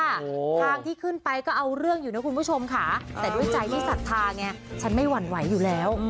ทางที่ขึ้นไปก็เอาเรื่องอยู่นะคุณผู้ชมค่ะแต่ด้วยใจที่ศรัทธาไงฉันไม่หวั่นไหวอยู่แล้ว